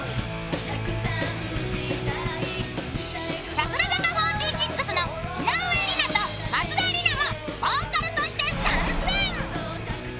櫻坂４６の井上梨名と松田里奈もボーカルとして参戦。